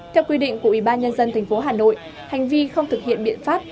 theo quy định của ủy ban nhân dân thành phố hà nội hành vi không thực hiện biện pháp